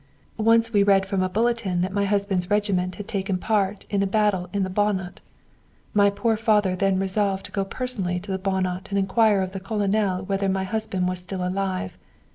"'Once we read from a bulletin that my husband's regiment had taken part in a battle in the Banat. My poor father then resolved to go personally to the Banat and inquire of the colonel whether my husband was still alive.